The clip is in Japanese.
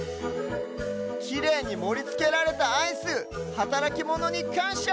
きれいにもりつけられたアイスはたらきモノにかんしゃ！